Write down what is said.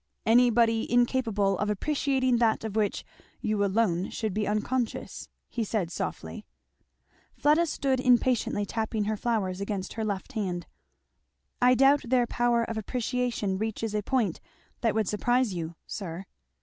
"Anybody incapable of appreciating that of which you alone should be unconscious," he said softly. Fleda stood impatiently tapping her flowers against her left hand. "I doubt their power of appreciation reaches a point that would surprise you, sir."